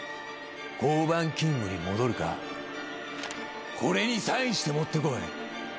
交番勤務に戻るかこれにサインして持ってこい。